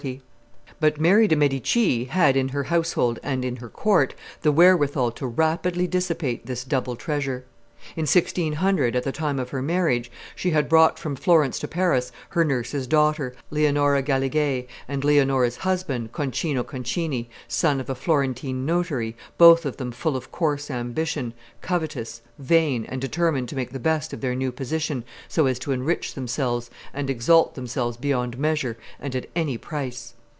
[Illustration: Concini, Leonora Galigai, and Mary de' Medici 149] But Mary de' Medici had, in her household and in her court, the wherewithal to rapidly dissipate this double treasure. In 1600, at the time of her marriage, she had brought from Florence to Paris her nurse's daughter, Leonora Galigai, and Leonora's husband, Concino Concini, son_ of a Florentine notary, both of them full of coarse ambition, covetous, vain, and determined to make the best of their new position so as to enrich themselves, and exalt themselves beyond measure, and at any price.